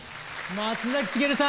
松崎しげるさん